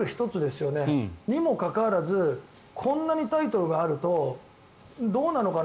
にもかかわらずこんなにタイトルがあるとどうなのかな。